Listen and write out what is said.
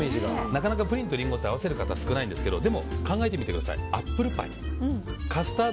なかなかプリンとリンゴ合わせる方少ないんですけど考えてみてくださいアップルパイ。